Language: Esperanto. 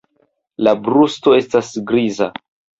La brusto estas griza.